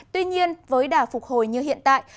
tuy nhiên với đả phục hồi như hiện tại